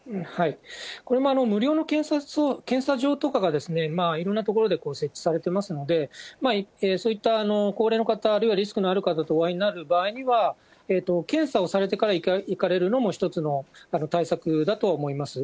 これも無料の検査場とかがいろんな所で設置されてますので、そういった高齢の方、あるいはリスクのある方とお会いになる場合には、検査をされてから行かれるのも一つの対策だと思います。